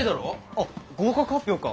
あっ合格発表か。